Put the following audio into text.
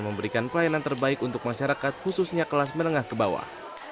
memberikan pelayanan terbaik untuk masyarakat khususnya kelas menengah ke bawah